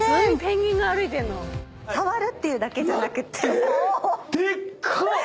触るっていうだけじゃなくて。